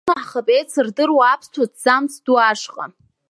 Ҳҿынаҳхап еицырдыруа Аԥсуа ҭӡамц ду ашҟа.